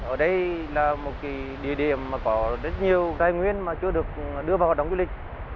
ở đây là một cái địa điểm mà có rất nhiều giai nguyên mà chưa được đưa vào hoạt động du lịch